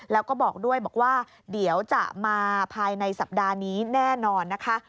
แล้วก็บอกด้วยบอกว่าเดี๋ยวจะมาภายในสัปดาห์นี้แน่นอนนะคะ